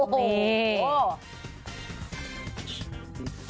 โอ้โห